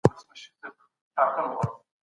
سپوږمۍ ته ګوره